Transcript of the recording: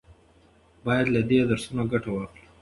باید له دې درسونو ګټه واخلو.